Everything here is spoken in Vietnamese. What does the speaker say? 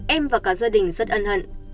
em và cả gia đình rất ân hận